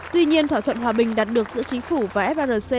tuy nhiên thỏa thuận hòa bình đạt được giữa chính phủ và frc